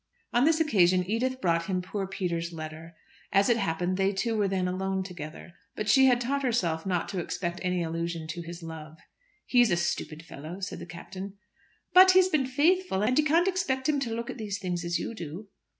On this occasion Edith brought him poor Peter's letter. As it happened they two were then alone together. But she had taught herself not to expect any allusion to his love. "He is a stupid fellow," said the Captain. "But he has been faithful. And you can't expect him to look at these things as you do."